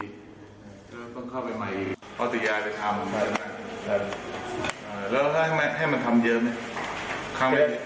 เอาตัวยาไปทำเออแล้วให้ไงให้มันทำเยอะไหมข้างไหน